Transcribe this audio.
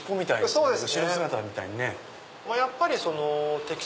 そうですね。